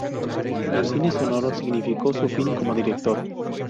El cine sonoro significó su fin como director.